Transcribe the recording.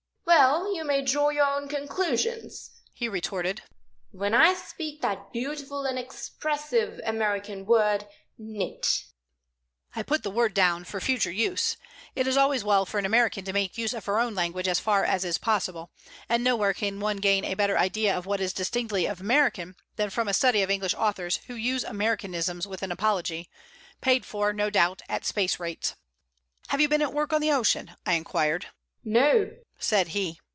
"Well, you may draw your own conclusions," he retorted, "when I speak that beautiful and expressive American word 'Nit.'" I put the word down for future use. It is always well for an American to make use of her own language as far as is possible, and nowhere can one gain a better idea of what is distinctively American than from a study of English authors who use Americanisms with an apology paid for, no doubt, at space rates. "Have you been at work on the ocean?" I inquired. "No," said he.